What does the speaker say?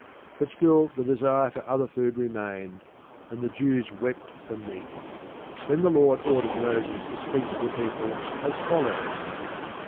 But still the desire for other food remained, and the Jews wept for meat. Then the Lord ordered Moses to speak to the people as follows